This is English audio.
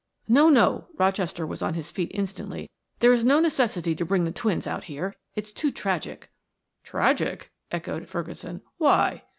"No, no!" Rochester was on his feet instantly. "There is no necessity to bring the twins out here it's too tragic!" "Tragic?" echoed Ferguson. "Why?"